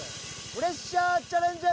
プレッシャーチャレンジ！